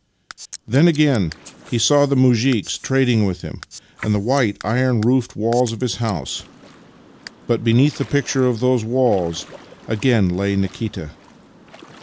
Then again he saw the muzhiks trading with him, and the white, iron roofed walls of his house — but beneath the picture of those walls again lay Nikita.